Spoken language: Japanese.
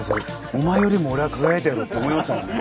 お前よりも俺は輝いてやろうって思いましたもんね。